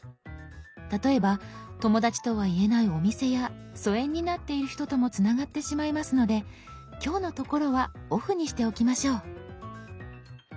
例えば友だちとは言えないお店や疎遠になっている人ともつながってしまいますので今日のところはオフにしておきましょう。